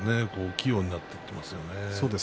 器用になっていますよね。